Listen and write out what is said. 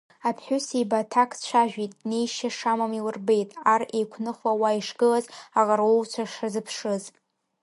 Аԥҳәысеиба аҭак дцәажәеит, неишьа шамам илырбеит, ар еиқәныхла уа ишгылаз, аҟарулцәа шазыԥшыз.